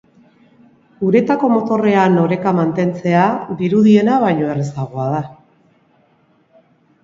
Uretako motorrean oreka mantentzea dirudiena baino errazagoa da.